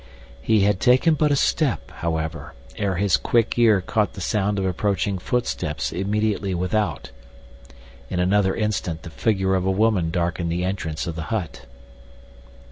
He had taken but a step, however, ere his quick ear caught the sound of approaching footsteps immediately without. In another instant the figure of a woman darkened the entrance of the hut.